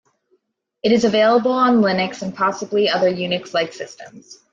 It is available on Linux, and possibly other Unix-like systems.